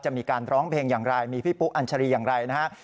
มีการร้องเพลงอย่างไรมีพี่ปุ๊อัญชารีอย่างไรนะฮะ